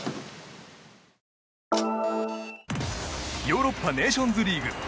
ヨーロッパネーションズリーグ。